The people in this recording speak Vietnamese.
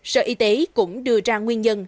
sở y tế cũng đưa ra nguyên nhân